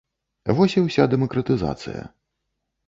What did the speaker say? Вось і ўся дэмакратызацыя.